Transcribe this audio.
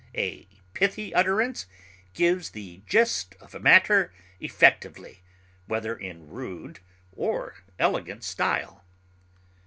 A pithy utterance gives the gist of a matter effectively, whether in rude or elegant style.